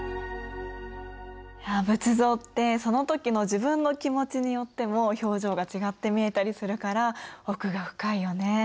いや仏像ってその時の自分の気持ちによっても表情が違って見えたりするから奥が深いよね。